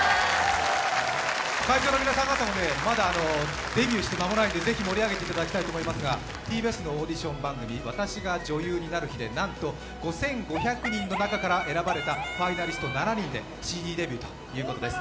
会場の皆さん方もまだデビューして間もないのでぜひ盛り上げていただきたいと思いますが、ＴＢＳのオーディション番組「『私が女優になる日＿』」でなんと５５００人の中から選ばれたファイナリスト７人でＣＤデビューということです。